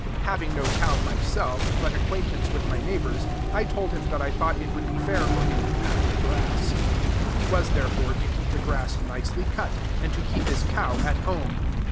Having no cow myself, but acquaintance with my neighbor's, I told him that I thought it would be fair for him to have the grass. He was, therefore, to keep the grass nicely cut, and to keep his cow at home.